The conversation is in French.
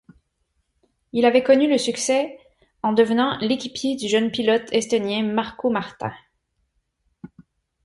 Il avait connu le succès en devenant l'équipier du jeune pilote estonien Markko Märtin.